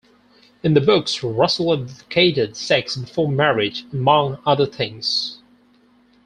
In the books, Russell advocated sex before marriage, among other things.